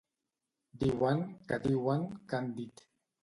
Diuen, que diuen, que han dit.